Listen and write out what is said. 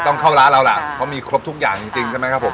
ต้องเข้าร้านเราล่ะเพราะมีครบทุกอย่างจริงใช่ไหมครับผม